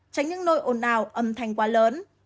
tránh những nơi ồn ào âm thanh quá lớn